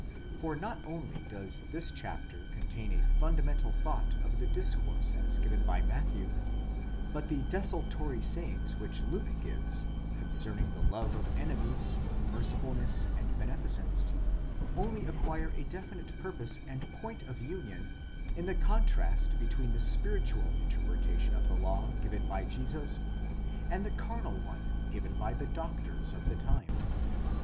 For not only does this chapter contain the fundamental thought of the discourse as given by Matthew, but the desultory sayings which Luke gives, concerning the love of enemies, mercifulness and beneficence, only acquire a definite purpose and point of union in the contrast between the spiritual interpretation of the law given by Jesus, and the carnal one given by the doctors of the time.